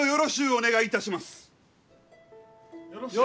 お願いいたします！